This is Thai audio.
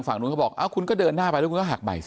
ฝั่งนู้นเขาบอกคุณก็เดินหน้าไปแล้วคุณก็หักใหม่สิ